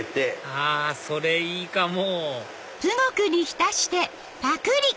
あそれいいかも！